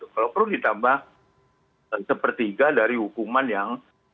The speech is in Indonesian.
kalau perlu ditambah sepertiga dari hukuman yang